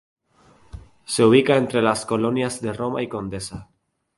Se ubica entre las colonias Roma y Condesa.